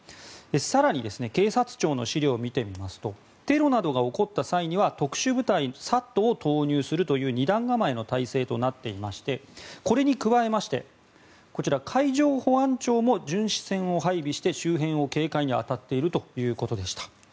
更に警察庁の資料を見てみますとテロなどが起こった際には特殊部隊ＳＡＴを投入するという２段構えの体制となっていましてこれに加えまして海上保安庁も巡視船を配備して周辺を警戒に当たっているということでした。